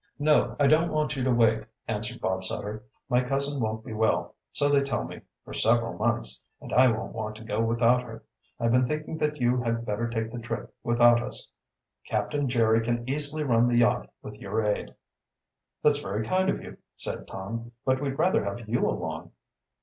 "No, I don't want you to wait," answered Bob Sutter. "My cousin won't be well, so they tell me, for several months, and I won't want to go without her. I've been thinking that you had better take the trip without us. Captain Jerry can easily run the yacht with your aid." "That's very kind of you," said Tom. "But we'd rather have you along."